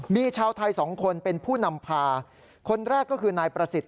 มีชาวไทยสองคนเป็นผู้นำพาคนแรกก็คือนายประสิทธิ